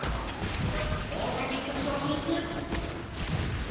太田、準決勝進出！